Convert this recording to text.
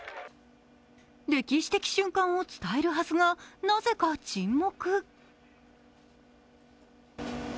歴史的瞬間を伝えるはずが、なぜか沈黙。